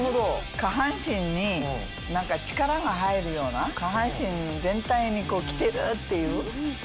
下半身に力が入るような下半身全体に来てる！っていう。